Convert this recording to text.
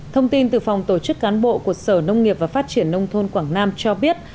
thông tin từ phòng tổ chức cán bộ của sở nông nghiệp và phát triển nông thôn quảng nam cho biết